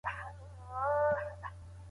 که چانس ولرې نو بل انسان مه غولوه.